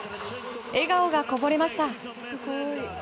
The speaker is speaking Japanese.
笑顔がこぼれました。